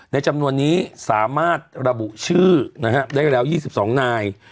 จำนวนนี้สามารถระบุชื่อได้แล้ว๒๒นาย